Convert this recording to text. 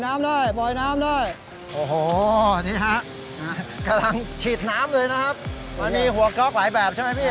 นี่ฮะกำลังฉีดน้ำเลยนะครับอันนี้หัวเกอร์กหลายแบบใช่ไหมพี่